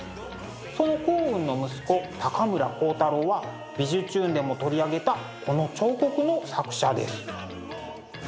その光雲の息子高村光太郎は「びじゅチューン！」でも取り上げたこの彫刻の作者です。